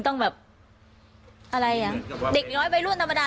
ต้องแบบอะไรอ่ะ